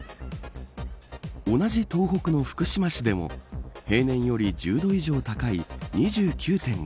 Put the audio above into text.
同じ東北の福島市でも平年より１０度以上高い２９．５度。